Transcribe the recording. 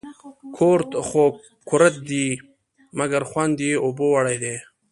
کورت خو کورت دي ، مگر خوند يې اوبو وړى دى